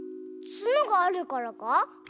つのがあるからか？